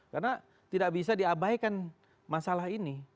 karena tidak bisa diabaikan masalah ini